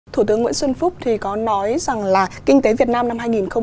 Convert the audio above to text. thủ tướng nguyễn xuân phúc có nói rằng là kinh tế việt nam năm hai nghìn một mươi chín